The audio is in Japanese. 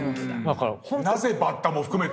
なぜバッタも含めてね。